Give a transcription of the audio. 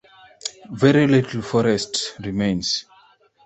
Very little forest remains.